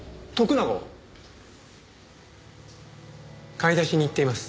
買い出しに行っています。